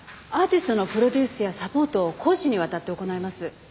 アーティストのプロデュースやサポートを公私にわたって行います。